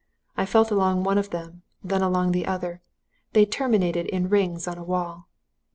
I felt along one of them, then along the other they terminated in rings in a wall.